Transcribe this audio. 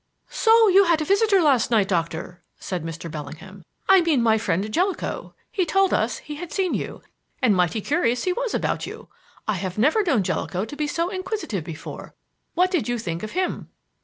"So you had a visitor last night, Doctor," said Mr. Bellingham. "I mean my friend Jellicoe. He told us he had seen you, and mighty curious he was about you. I have never known Jellicoe to be so inquisitive before. What did you think of him?"